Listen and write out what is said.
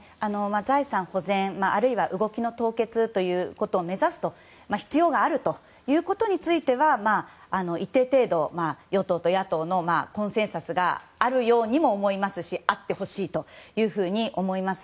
財産保全あるいは動きの凍結を目指すと、必要があるということについては一定程度与党と野党のコンセンサスがあるようにも思いますしあってほしいと思います。